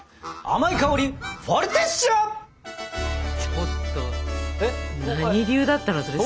ちょっと何流だったのそれ。